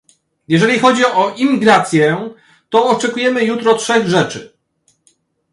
Jeśli chodzi o imigrację, to oczekujemy jutro trzech rzeczy